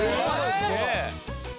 すげえ。